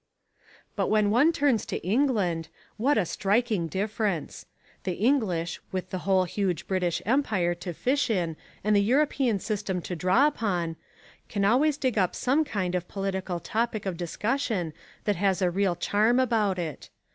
But when one turns to England, what a striking difference! The English, with the whole huge British Empire to fish in and the European system to draw upon, can always dig up some kind of political topic of discussion that has a real charm about it.